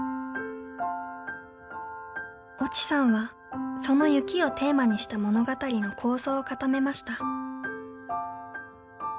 越智さんはその雪をテーマにした物語の構想を固めました。